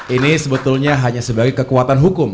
ini sebetulnya hanya sebagai kekuatan hukum